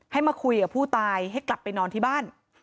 มาคุยกับผู้ตายให้กลับไปนอนที่บ้าน